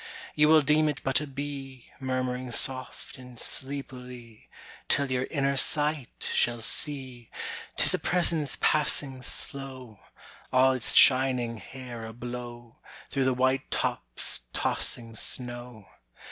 "You will deem it but a bee, Murmuring soft and sleepily, Till your inner sight shall see "'Tis a presence passing slow, All its shining hair ablow, Through the white tops' tossing snow.